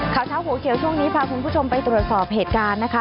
ข่าวเช้าหัวเขียวช่วงนี้พาคุณผู้ชมไปตรวจสอบเหตุการณ์นะคะ